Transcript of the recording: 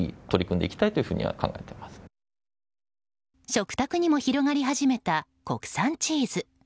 食卓にも広がり始めた国産チーズ。